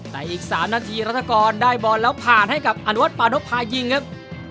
แต่อีก๓นาทีรัฐกรได้บอลแล้วผ่านให้กับอนุวัฒปานกพายิงครับ